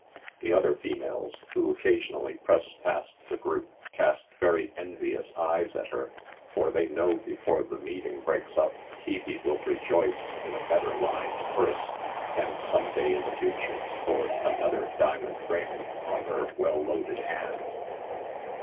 The other females who occasionally press past the group cast verv envious eyes at her, for they know before the meet ing breaks up Hebe will rejoice in a better lined purse, and some day in the future sport another diamond ring on her well loaded hand.